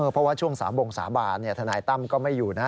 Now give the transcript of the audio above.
เพราะว่าช่วงสาบงสาบานทนายตั้มก็ไม่อยู่นะ